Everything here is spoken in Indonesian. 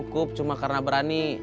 cukup cuma karena berani